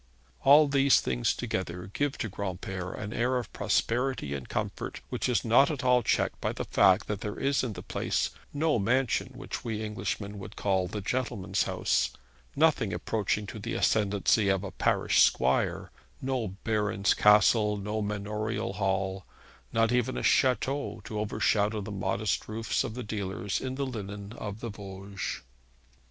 All these things together give to Granpere an air of prosperity and comfort which is not at all checked by the fact that there is in the place no mansion which we Englishmen would call the gentleman's house, nothing approaching to the ascendancy of a parish squire, no baron's castle, no manorial hall, not even a chateau to overshadow the modest roofs of the dealers in the linen of the Vosges.